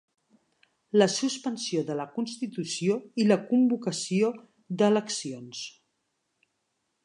La suspensió de la Constitució i la convocació d'eleccions.